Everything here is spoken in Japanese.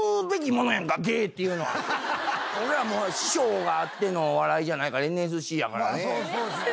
「俺は師匠があってのお笑いじゃないから」「ＮＳＣやからね」